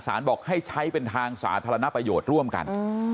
บอกให้ใช้เป็นทางสาธารณประโยชน์ร่วมกัน